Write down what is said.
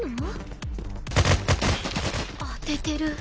当ててる。